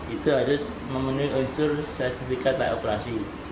itu harus memenuhi unsur sertifikat layak operasi